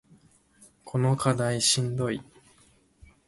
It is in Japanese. この課題しんどい